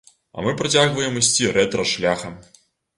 А мы працягваем ісці рэтра-шляхам.